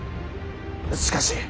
しかし。